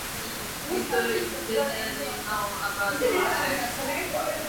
Little is generally known about his life.